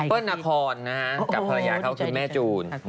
เปิ้ลนางคอนกับฮเขาคือแม่จูน